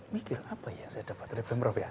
mikir apa yang saya dapat dari pemprov ya